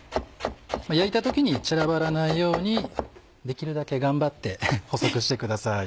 焼いた時に散らばらないようにできるだけ頑張って細くしてください。